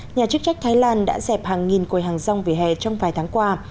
nhà chức trách thái lan đã dẹp hàng nghìn quầy hàng rong vỉa hè trong vài tháng qua